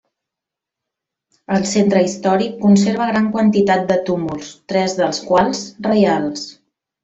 El centre històric conserva gran quantitat de túmuls, tres dels quals reials.